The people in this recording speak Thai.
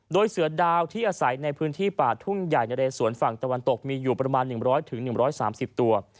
โดยเสือดาวที่อาศัยในพื้นที่ป่าทุ่งใหญ่นะเรสวนฝั่งตะวันตกมีอยู่ประมาณ๑๐๐๑๓๐ตัว